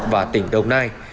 và tỉnh đồng nai